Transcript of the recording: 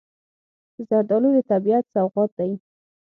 زردالو د طبیعت سوغات دی.